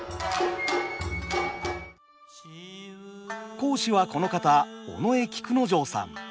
講師はこの方尾上菊之丞さん。